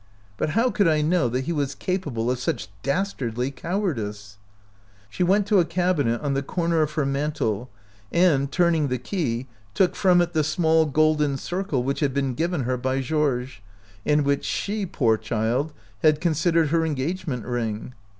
But how could I know that he was capable of such dastardly cowardice !" She went to a cabinet on the corner of her mantel, and, turning the key, took from it the small golden circle which had been given her by Georges, and which she, poor child, had considered her engage ment ring.